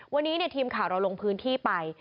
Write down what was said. วันนี้ทีมข่าวเราลงพื้นที่ไป